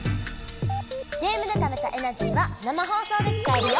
ゲームでためたエナジーは生放送で使えるよ！